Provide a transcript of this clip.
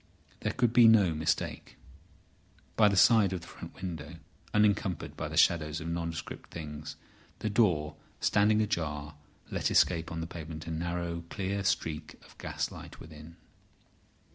There could be no mistake. By the side of the front window, encumbered by the shadows of nondescript things, the door, standing ajar, let escape on the pavement a narrow, clear streak of gas light within.